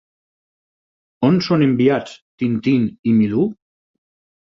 On són enviats Tintín i Milú?